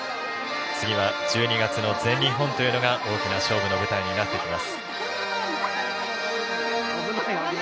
次は１２月の全日本というのが大きな勝負の舞台になってきます。